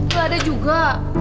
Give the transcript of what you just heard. gak ada juga